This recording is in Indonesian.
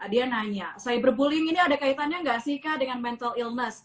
dia nanya cyberbullying ini ada kaitannya nggak sih kak dengan mental illness